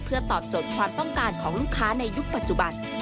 เพื่อตอบโจทย์ความต้องการของลูกค้าในยุคปัจจุบัน